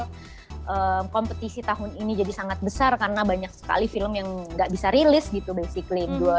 dan kompetisi tahun ini jadi sangat besar karena banyak sekali film yang gak bisa rilis gitu basically